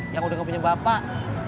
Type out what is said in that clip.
yang udah gak punya bapak